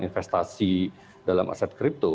investasi dalam aset kripto